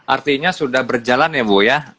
artinya sudah berjalan ya bu ya